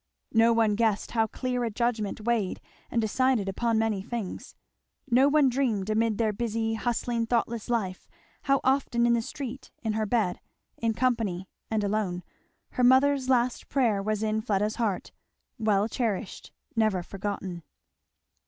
No one guessed how clear a judgment weighed and decided upon many things. No one dreamed, amid their busy, hustling, thoughtless life, how often, in the street, in her bed, in company and alone, her mother's last prayer was in Fleda's heart; well cherished; never forgotten.